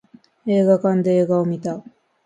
映画館で映画を見た